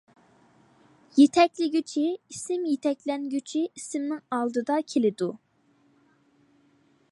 يېتەكلىگۈچى ئىسىم يېتەكلەنگۈچى ئىسىمنىڭ ئالدىدا كېلىدۇ.